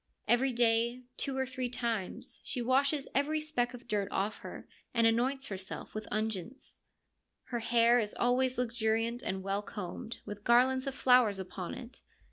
Every day, two or three times, she washes every speck of dirt off her, and anoints herself with unguents. Her hair is always luxuriant and well combed, with garlands of flowers upon it.